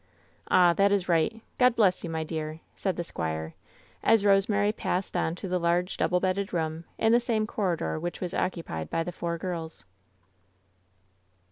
"Ah, that is right. God bless you, my dear!" said the squire, as Rosemary passed on to the large, double bedded room in the same corridor which was occupied by the four girls.